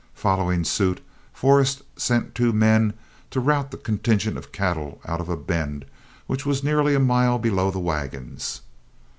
Following suit, Forrest sent two men to rout the contingent of cattle out of a bend which was nearly a mile below the wagons.